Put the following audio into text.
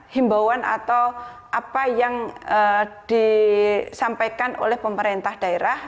himbauan atau apa yang disampaikan oleh pemerintah daerah